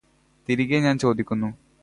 തിരികെ ഞാൻ ചോദിക്കുന്നു.